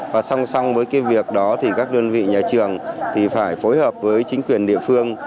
và song song với cái việc đó thì các đơn vị nhà trường thì phải phối hợp với chính quyền địa phương